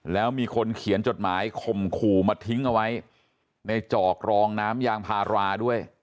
แล้วมีคนเขียนจดหมายข่มขู่มาทิ้งเอาไว้ในจอกรองน้ำยางพาราด้วย